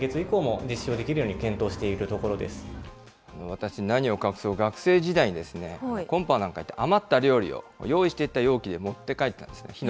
私、何を隠そう、学生時代にコンパなんかに行って、余った料理を用意してった容器で持って帰ったんですね。